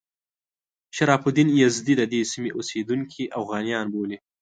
شرف الدین یزدي د دې سیمې اوسیدونکي اوغانیان بولي.